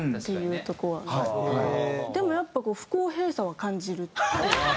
でもやっぱ不公平さは感じる。